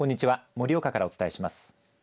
盛岡からお伝えします。